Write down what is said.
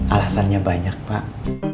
alasannya banyak pak